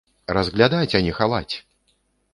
Разглядаць, а не хаваць!